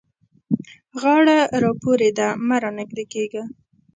غاړه را پورې ده؛ مه رانږدې کېږه.